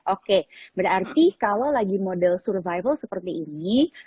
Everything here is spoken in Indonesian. oke berarti kalau lagi model survival seperti ini